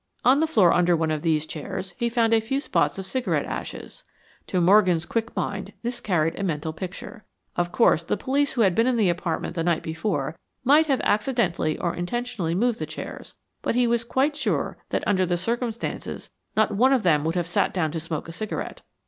On the floor under one of these chairs he found a few spots of cigarette ashes. To Morgan's quick mind this carried a mental picture. Of course, the police who had been in the apartment the night before might have accidentally or intentionally moved the chairs, but he was quite sure that under the circumstances not one of them would have sat down to smoke a cigarette.